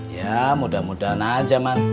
ya mudah mudahan aja mas